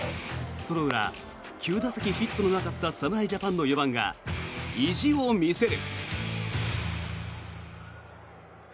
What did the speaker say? その裏、９打席ヒットのなかった侍ジャパンの４番が意地を見せる。